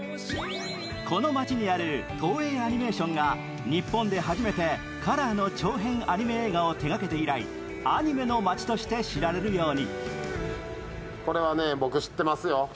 この街にある東映アニメーションが日本で初めてカラーの長編アニメ映画を手がけて以来アニメの町として知られるように。